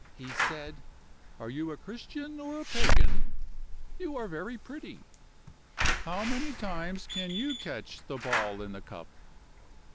He said: 'Are you a Christian or a Pagan? You are very pretty. How many times can you catch the ball in the cup?